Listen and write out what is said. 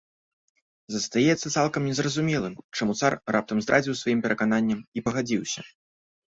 Застаецца цалкам незразумелым, чаму цар раптам здрадзіў сваім перакананням і пагадзіўся.